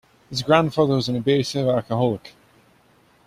His grandfather was an abusive alcoholic.